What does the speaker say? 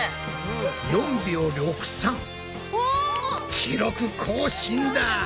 記録更新だ！